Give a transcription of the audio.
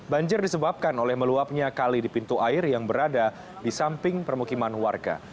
banjir disebabkan oleh meluapnya kali di pintu air yang berada di samping permukiman warga